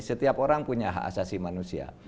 setiap orang punya hak asasi manusia